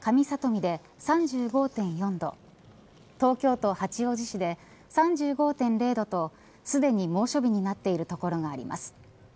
見で３５．４度東京都八王子市で３５．０度とすでに猛暑日になっている所があります。